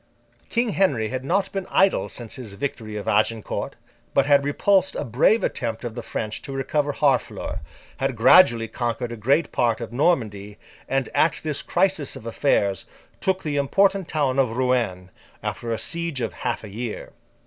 King Henry had not been idle since his victory of Agincourt, but had repulsed a brave attempt of the French to recover Harfleur; had gradually conquered a great part of Normandy; and, at this crisis of affairs, took the important town of Rouen, after a siege of half a year.